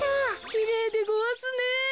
きれいでごわすね。